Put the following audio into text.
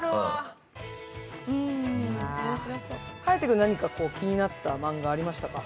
颯君何か気になった漫画ありましたか？